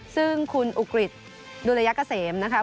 ซึ่งคุณอุกฤษดุลยักษ์กระเสมนะครับ